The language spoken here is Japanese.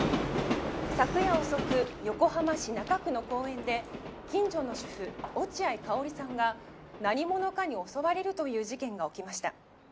「昨夜遅く横浜市中区の公園で近所の主婦落合佳保里さんが何者かに襲われるという事件が起きました」